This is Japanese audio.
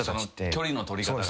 距離の取り方が。